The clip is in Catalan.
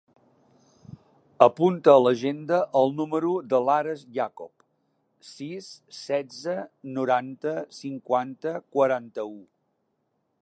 Apunta a l'agenda el número de l'Ares Iacob: sis, setze, noranta, cinquanta, quaranta-u.